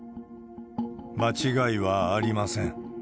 間違いはありません。